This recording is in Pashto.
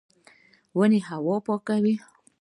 ونې هوا پاکوي